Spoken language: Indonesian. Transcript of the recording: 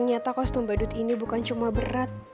ternyata kostum badut ini bukan cuma berat